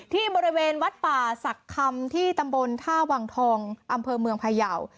ที่บริเวณวัดป่าศักดิ์คำที่ตำบลท่าวังทองอำเภอเมืองพยาว